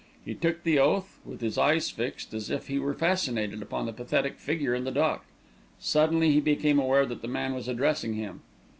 He took the oath, with his eyes fixed, as if he were fascinated, upon the pathetic figure in the dock. Suddenly he became aware that the man was addressing him.